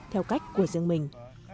theo cách của riêng mình